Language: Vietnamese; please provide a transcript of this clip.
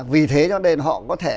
vì thế cho nên họ có thể